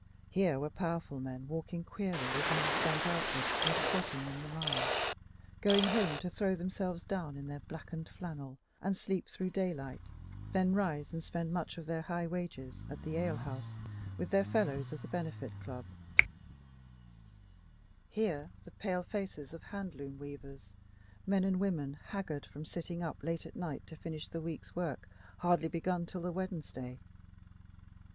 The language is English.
Here were powerful men walking queerly with knees bent outward from squatting in the mine, going home to throw themselves down in their blackened flannel and sleep through the daylight, then rise and spend much of their high wages at the ale house with their fellows of the Benefit Club; here the pale eager faces of the handloom weavers, men and women, haggard from sitting up late at night to finish the week's work, hardly begun till the Wednesday.